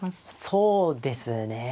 そうですね。